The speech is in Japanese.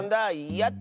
やった！